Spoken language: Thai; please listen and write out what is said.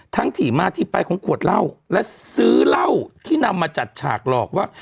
ถี่มาที่ไปของขวดเหล้าและซื้อเหล้าที่นำมาจัดฉากหลอกว่า